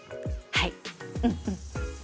はい。